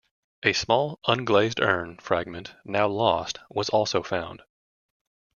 A small unglazed urn fragment, now lost, was also found.